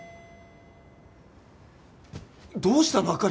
どうしたの？